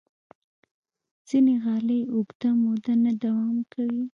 ځینې غالۍ اوږده موده نه دوام کوي.